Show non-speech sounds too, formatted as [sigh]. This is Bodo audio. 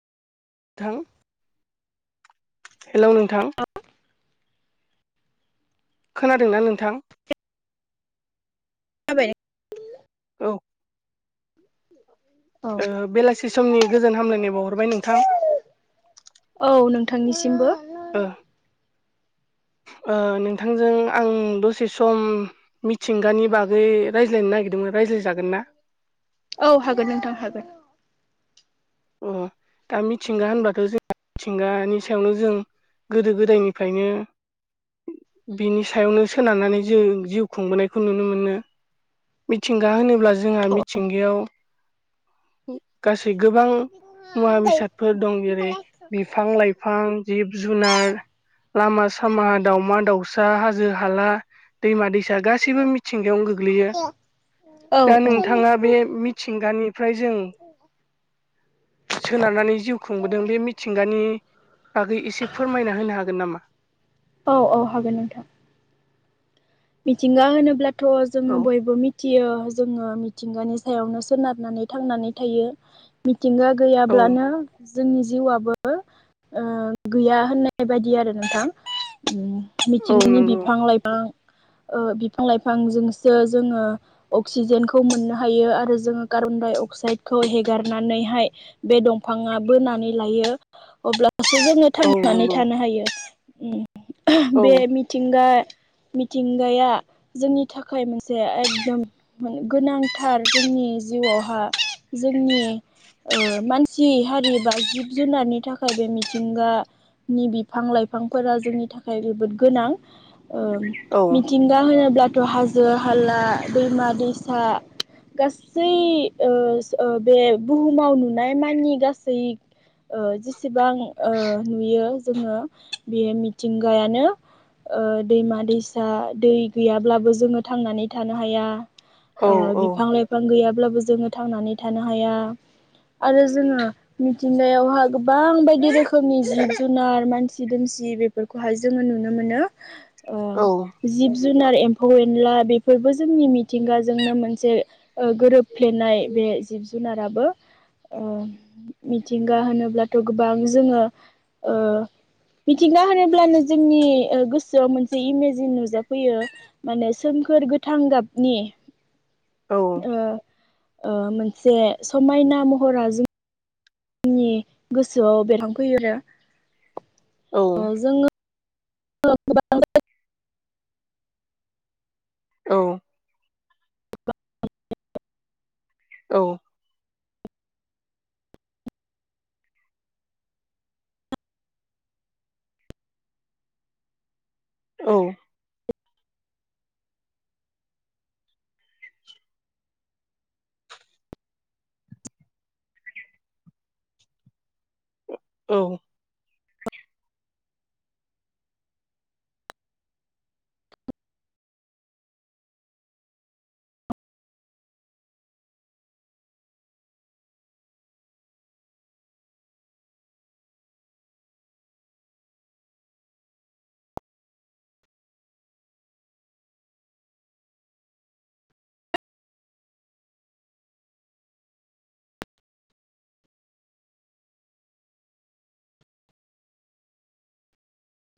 नोंथां हेलौ नोंथां खोनादोंना नोंथां [unintelligible] औ औ बेलासि समनि गोजोन हामलायनाय बावहरबाय नोंथां बिथांनिसिमबो उ नोंथांजों आं दसे सम मिथिंगानि बागै रायज्लायनो नागिरदोंमोन रायजो जागोन ना औ हागोन नोंथां हागोन अ दा मिथिंगा होनबाथ' जों मिथिंगानि सायावनो जों गोदो गोदायनिफ्रायनो बिनि सायावनो सोनारनानै जों जिउ खुंबोनायखौ नुनो मोनो मिथिंगा होनोब्ला जोंहा औ मिथिंगायाव गासै गोबां मुवा बेसादफोर दं जेरै बिफां लाइफां जिब जुनार लामा सामा दावमा दाउसा हाजो हाला दैमा दैसा गासैबो मिथिंगायावनो गोग्लैयो औ दा नोंथाङा बे मिथिंगानिफ्राय जों सोनारनानै जिउ खुंबोदों बे मिथिंगानि बागै एसे फोरमायना होनो हागोन नामा औ औ हागोन नोंथां मिथिंगा होनोब्ला थ' जोङो औ बयबो मिथियो जोङो मिथिंगानि सायावनो सोनारनानै थांनानै थायो मिथिंगा औ गैयाब्लानो जोंनि जिउआबो गैया होननाय बायदि आरो नोंथां औ मिथिंगानि नंगौ बिफां लाइफां बिफां लाइफांजोंसो जोङो अक्सिजेनखौ मोननो हायो आरो जोङो कारबन अक्साइखौ हेगारनानैहाय बे दंफाङा बोनानै लायो अब्ला जोङो औ थांनानै नंगौ थानो हायो औ बे मिथिंगा मिथिंगाया जोंनि थाखाय मोनसे एकदम गोनांथार जोंनि जों नि जिउआवहा जोंनि मानसि हारि बा जिब जुनारनि थाखाय बे मिथिंगा नि बिफां लाइफांफोरा जोंनि थाखाय जोबोद गोनां औ मिथिंगा होनोब्ला हाजो हाला दैमा दैसा गासै बे बुहुमाव नुनाय माननि गासै जेसेबां नुयो जोङो बे मिथिंगायानो दैमा दैसा दै गैयाब्लाबो जोङो थांनानै थानो हाया औ बिफां लाइफां गैयाब्लाबो जोङो थांनानै थानो हाया आरो जोङो मिथिंगायावहााय गोबां बायदि रोखोमनि जिब जुनार मानसि दोमसि बे जों नुनो मोनो औ जुनार एम्फौ एनला बेफोरबो जोंनि मिथिंगाजोंनो मोनसे गोरोबफ्लेनाय बे जिब जुनाराबो मिथिंगा होनोब्लाथ' गोबां जोङो मिथिंगा होनो अब्लानो जोंनि गोसोआव मोनसे इमेजिन नुजाफैयो माने सोमखोर गोथां गाब नि औ ओ मोनसे समायना महरा जों नि गोसोआव बेरहांफैयोनो ओ जोङो उ [inaudible] औ औ औ औ